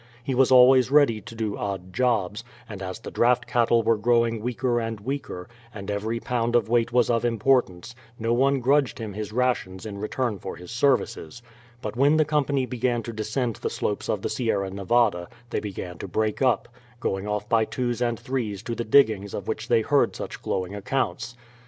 He was always ready to do odd jobs, and as the draught cattle were growing weaker and weaker, and every pound of weight was of importance, no one grudged him his rations in return for his services; but when the company began to descend the slopes of the Sierra Nevada they began to break up, going off by twos and threes to the diggings of which they heard such glowing accounts.